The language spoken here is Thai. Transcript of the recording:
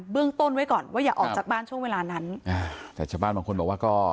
เรื่องต้นไว้ก่อนว่าอย่าออกจากบ้านช่วงเวลานั้นอ่าแต่ชาวบ้านบางคนบอกว่าก็